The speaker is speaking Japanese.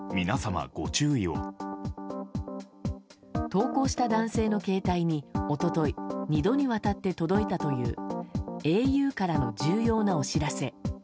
投稿した男性の携帯に一昨日２度にわたって届いたという「ａｕからの重要なお知らせ」。